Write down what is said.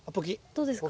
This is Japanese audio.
どうですか？